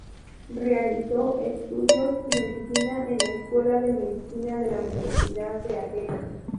Realizó estudios medicina en la Escuela de Medicina de la Universidad de Atenas.